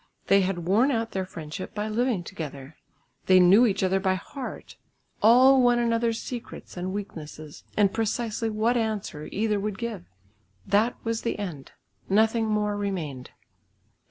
They had worn out their friendship by living together. They knew each other by heart, all one another's secrets and weaknesses, and precisely what answer either would give. That was the end. Nothing more remained.